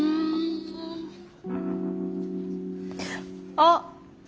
あっ。